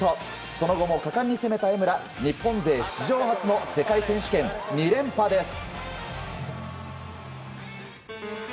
その後も果敢に攻めた江村日本勢史上初の世界選手権２連覇です。